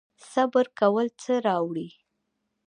صبر کول څه راوړي؟